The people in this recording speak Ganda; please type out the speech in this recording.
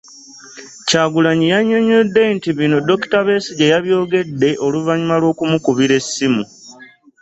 Kyagulanyi yannyonnyodde nti bino Dokita Besigye yabyogedde oluvannyuma lw’okumukubira essimu.